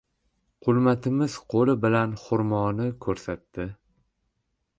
Qulmatimiz qo‘li bilan xurmoni ko‘rsatdi.